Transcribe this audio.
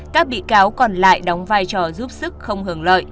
các vị cao còn lại đóng vai trò giúp sức không hưởng lợi